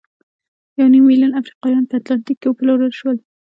یو نیم میلیون افریقایان په اتلانتیک کې وپلورل شول.